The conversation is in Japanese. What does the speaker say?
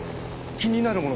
気になるもの？